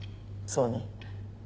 そうね。